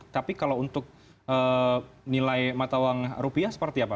tapi kalau untuk nilai mata uang rupiah seperti apa